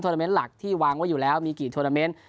นาเมนต์หลักที่วางไว้อยู่แล้วมีกี่โทรนาเมนต์